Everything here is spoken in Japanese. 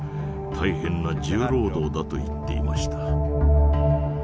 大変な重労働だと言っていました。